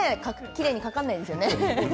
きれいにかからないですよね。